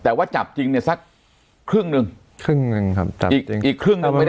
แต่ว่าจับจริงเนี่ยสักครึ่งหนึ่งครึ่งหนึ่งครับจับอีกอีกครึ่งหนึ่งไม่ได้